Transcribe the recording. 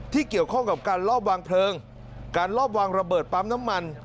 เกี่ยวข้องกับการลอบวางเพลิงการลอบวางระเบิดปั๊มน้ำมัน